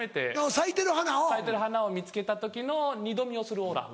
咲いてる花見つけた時の二度見をするオラフ。